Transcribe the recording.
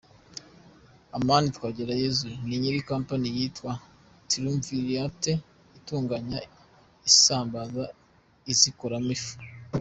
Amani Twagirayezu ni nyiri kompanyi yitwa Triumvirate itunganya isambaza izikoramo ifu.